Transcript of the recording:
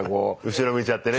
後ろ向いちゃってね。